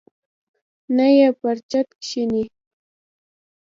نه یې پر چت کښیني.